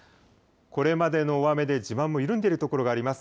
これまでの大雨で地盤も緩んでいる所があります。